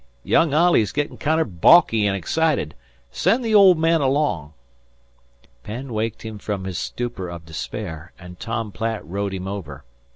Young Olley's gittin' kinder baulky an' excited. Send the old man along." Penn waked him from his stupor of despair, and Tom Platt rowed him over.